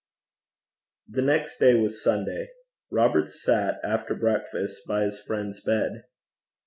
The next day was Sunday. Robert sat, after breakfast, by his friend's bed.